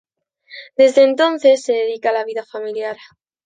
Desde entonces se dedica a la vida familiar.